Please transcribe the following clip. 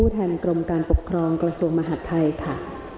แทนกรมการปกครองกระทรวงมหาดไทยค่ะ